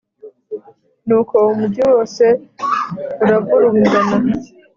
nuko umugi wose uravurungana